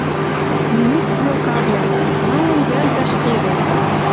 Минут стрелкавлӓ! Малын вӓл вӓшкедӓ?